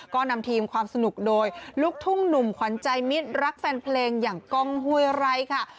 ก็นำทีมความสนุกโดยลูกทุ่งหนุ่มขวัญใจมิตรรักแฟนเพลงอย่างกล้องห้วยไร้ค่ะ